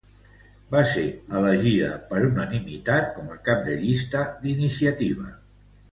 Va ser elegida per unanimitat com a cap de llista d'Iniciativa.